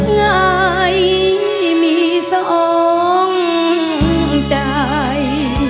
ง่ายมีสองใจ